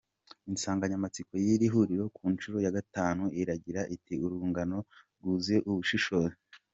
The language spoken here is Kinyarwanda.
Insanganyamatsiko y’iri huriro ku nshuro ya gatanu, iragira iti “ Urungano rwuzuye ubushobozi.